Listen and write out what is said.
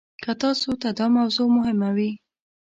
که تاسو ته دا موضوع مهمه وي.